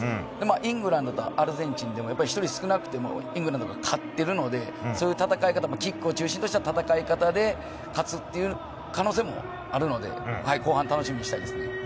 イングランドとアルゼンチンでも１人少なくてもイングランドが勝っているので、そういう戦い方、キックを中心とした戦い方で勝つ可能性もあるので、後半、楽しみにしたいですね。